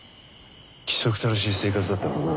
規則正しい生活だったからな。